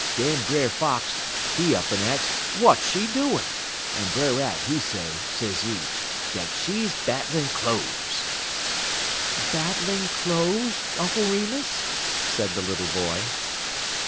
Den Brer Fox, he up'n ax w'at she doin', en Brer Rabbit, he say, sezee, dat she battlin' cloze." "Battling clothes, Uncle Remus?" said the little boy.